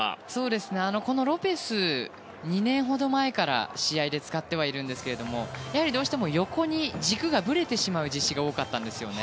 ロペス、２年ほど前から試合では使っているんですけどもどうしても横に軸がぶれてしまう実施が多かったんですよね。